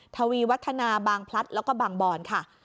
ทวีวัฒนาบางพลัดแล้วก็บางบอนค่ะ